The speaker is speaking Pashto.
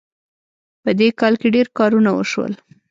په دې کال کې ډېر کارونه وشول